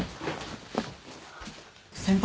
先輩！